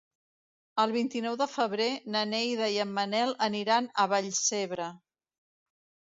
El vint-i-nou de febrer na Neida i en Manel aniran a Vallcebre.